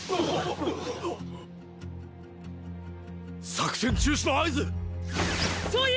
作戦中止の合図⁉総員